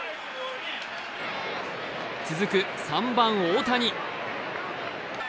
続く３番・大谷。